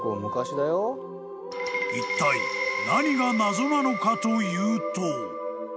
［いったい何が謎なのかというと］